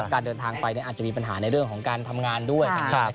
การเดินทางไปอาจจะมีปัญหาในเรื่องของการทำงานด้วย